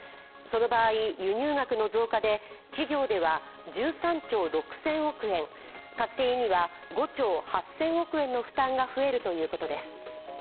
その場合、輸入額の増加で企業では１３兆６０００億円家計には５．８兆円の負担が増えるということです。